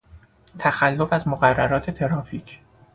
تخلف از مقررات ترافیک